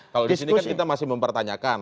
kalau di sini kan kita masih mempertanyakan